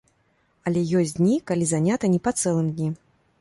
Але ёсць дні, калі занята не па цэлым дні.